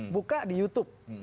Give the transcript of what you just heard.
buka di youtube